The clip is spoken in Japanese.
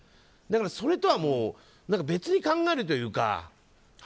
だから、それとは別に考えるというか。